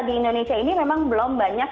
di indonesia ini memang belum banyak